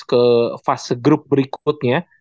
ke fase grup berikutnya